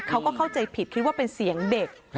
เข้าใจผิดคิดว่าเป็นเสียงเด็ก